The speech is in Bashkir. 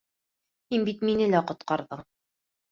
Һин бит мине лә ҡотҡарҙың.